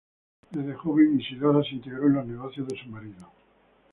Desde joven, Isidora se integró a los negocios de su marido.